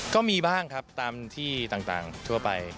ก็มีบ้างครับตามที่ต่างทั่วไป